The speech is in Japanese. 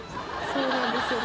そうなんですよね。